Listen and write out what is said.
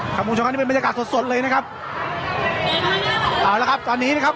คุณผู้ชมครับนี่เป็นบรรยากาศสดสดเลยนะครับเอาละครับตอนนี้นะครับ